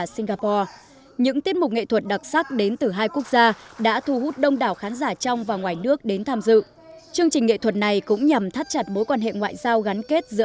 xin chào các bạn